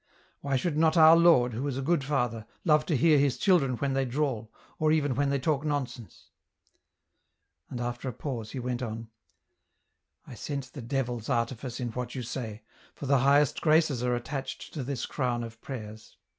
Why should not our Lord, who is a good Father, love to hear His children when they drawl, or even when they talk nonsense ?" And after a pause he went on, " I scent the devil's artifice in what you say, for the highest graces are attached to this crown of prayers.